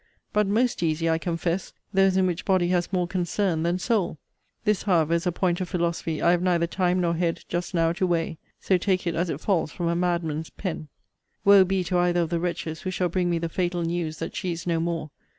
But most easy, I confess, those in which body has more concern than soul. This, however, is a point of philosophy I have neither time nor head just now to weigh: so take it as it falls from a madman's pen. Woe be to either of the wretches who shall bring me the fatal news that she is no more!